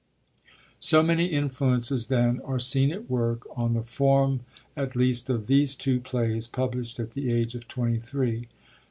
So many influences, then, are seen at work on the form at least of these two plays, published at the age of twenty three.